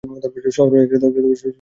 শহর এগিয়ে যেতে লাগলো।